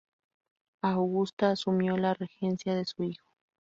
Augusta asumió la regencia de su hijo.